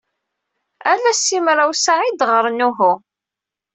Ala simraw-sa ay ideɣren uhu.